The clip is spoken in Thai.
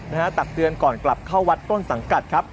ตักเตือนก่อนกลับเข้าวัดต้นสังกัดครับ